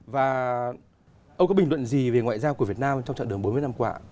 và ông có bình luận gì về ngoại giao của việt nam trong trạng đường bốn mươi năm qua